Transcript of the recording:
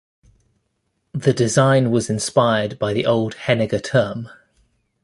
The design was inspired by the old Henninger Turm.